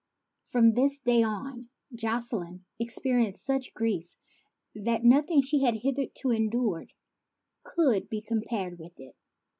From this day on Jocelyne experienced such grief that nothing she had hitherto endured could be compared with it.